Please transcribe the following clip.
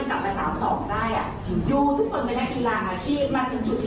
ทั้ง๒แมทคือแมทที่ดีที่สุด